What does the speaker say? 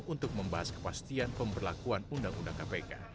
untuk membahas kepastian pemberlakuan undang undang kpk